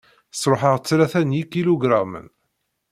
Sruḥeɣ tlata n yikilugramen.